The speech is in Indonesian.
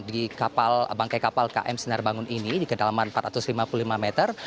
di kapal bangkai kapal km sinar bangun ini di kedalaman empat ratus lima puluh lima meter